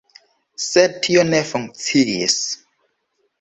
Sed tio ne funkciis.